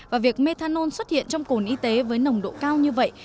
và việc methanol xuất hiện trong cồn y tế với nồng độ cao như vậy